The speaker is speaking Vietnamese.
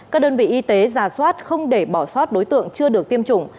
các đơn vị y tế giả soát không để bỏ sót đối tượng chưa được tiêm chủng